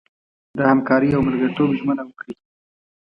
د همکارۍ او ملګرتوب ژمنه وکړي.